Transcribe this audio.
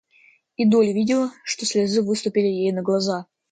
И Долли видела, что слезы выступили ей на глаза.